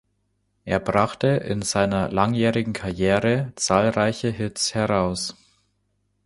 Er brachte in seiner langjährigen Karriere zahlreiche Hits heraus.